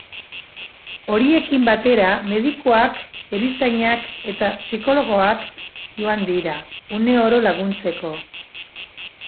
Horiekin batera medikuak, erizainak eta psikologoak joan dira, une oro laguntzeko.